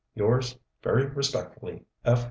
Yours very respectfully F.